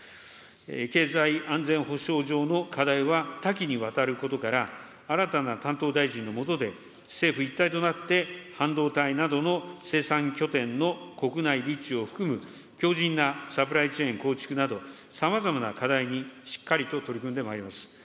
経済安全保障上の課題は多岐にわたることから、新たな担当大臣の下で、政府一体となって半導体などの生産拠点の国内立地を含む、強じんなサプライチェーン構築など、さまざまな課題にしっかりと取り組んでまいります。